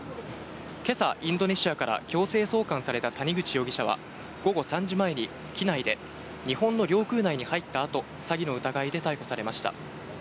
けさ、インドネシアから強制送還された谷口容疑者は、午後３時前に機内で日本の領空内に入ったあと、詐欺の疑いで逮捕されました。